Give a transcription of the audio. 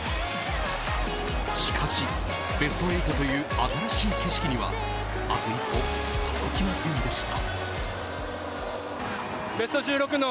しかし、ベスト８という新しい景色にはあと一歩届きませんでした。